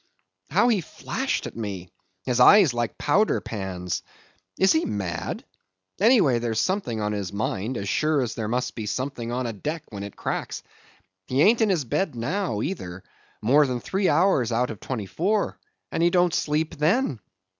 How he flashed at me!—his eyes like powder pans! is he mad? Anyway there's something on his mind, as sure as there must be something on a deck when it cracks. He aint in his bed now, either, more than three hours out of the twenty four; and he don't sleep then.